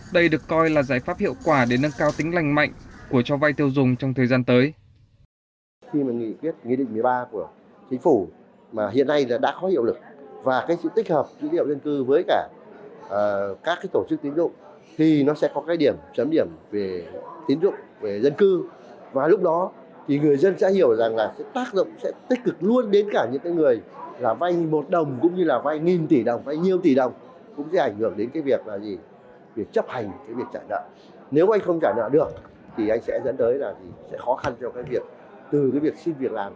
đây được coi là giải pháp hiệu quả để nâng cao tính lành mạnh của cho vai tiêu dùng trong thời gian tới